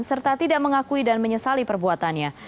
serta tidak mengakui dan menyesali perbuatannya